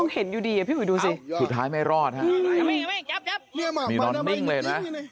เห็นอยู่ดีอ่ะพี่ฝุ่ยดูสิสุดท้ายไม่รอดฮะจับจับมีนอนนิ่งเลยน่ะ